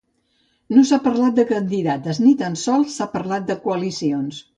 No s’ha parlat de candidates, ni tan sols s’ha parlat de coalicions.